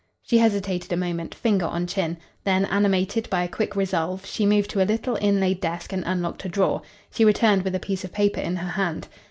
She hesitated a moment, finger on chin. Then, animated by a quick resolve, she moved to a little inlaid desk and unlocked a drawer. She returned with a piece of paper in her hand.